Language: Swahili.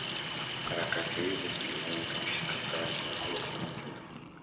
Harakati hizo zilianza kushika kasi na kuleta matunda